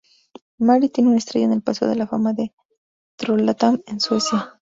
Marie tiene una estrella en el Paseo de la fama de Trollhättan en Suecia.